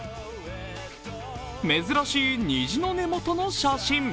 珍しい虹の根元の写真。